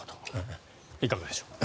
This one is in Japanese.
いかがでしょう。